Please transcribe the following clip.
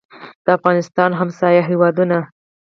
د افغانستان ګاونډي هېوادونه